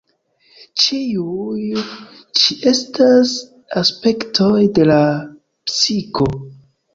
Ĉiuj ĉi estas aspektoj de la psiko.